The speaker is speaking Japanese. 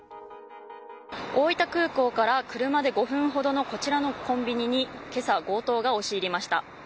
大分空港から車で５分ほどのこちらのコンビニに今朝、強盗が押し入りました。